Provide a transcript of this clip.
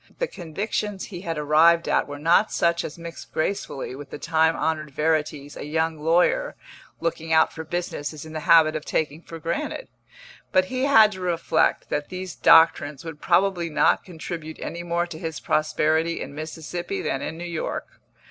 The convictions he had arrived at were not such as mix gracefully with the time honoured verities a young lawyer looking out for business is in the habit of taking for granted; but he had to reflect that these doctrines would probably not contribute any more to his prosperity in Mississippi than in New York.